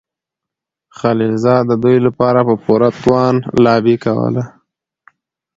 خلیلزاد د دوی لپاره په پوره توان لابي کوله.